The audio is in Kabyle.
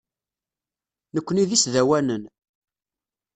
Nukni d isdawanen.